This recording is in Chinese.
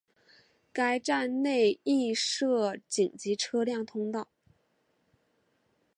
该站内亦设紧急车辆通道。